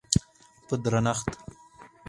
په درنښت،